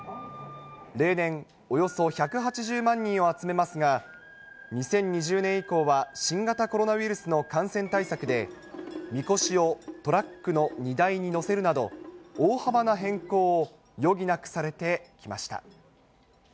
例年、およそ１８０万人を集めますが、２０２０年以降は新型コロナウイルスの感染対策で、みこしをトラックの荷台に載せるなど、大幅な変更を余儀なくされてきました。